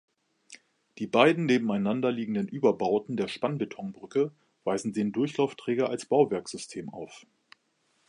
Die beiden nebeneinanderliegenden Überbauten der Spannbetonbrücke weisen den Durchlaufträger als Bauwerkssystem auf.